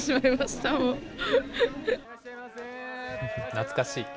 懐かしい。